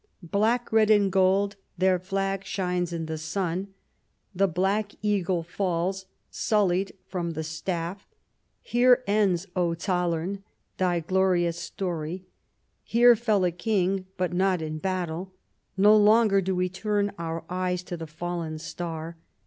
\" Black, red, and gold, their flag shines in the sun, The Black Eagle falls, sullied, from the staff. Here ends, O ZoUern, thy glorious story. Here fell a king, but not in battle. No longer do we turn our eyes To the fallen star.